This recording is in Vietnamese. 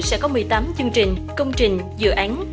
sẽ có một mươi tám chương trình công trình dự án